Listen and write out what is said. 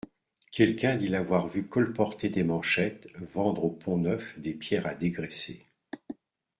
Quelqu'un dit l'avoir vu colporter des manchettes, vendre au Pont-Neuf des pierres à dégraisser.